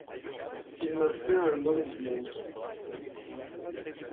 Il m'a fait un homme du monde.